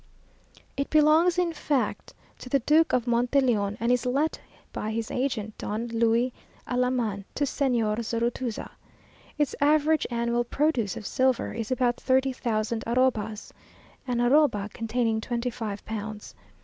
It belongs in fact to the Duke of Monteleone, and is let by his agent, Don Luis Alaman, to Señor Zurutuza. Its average annual produce of silver is about thirty thousand arrobas, (an arroba containing twenty five pounds).